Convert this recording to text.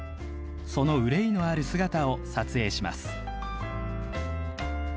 その愁いのある姿を撮影します。